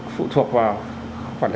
phụ thuộc vào chúng tôi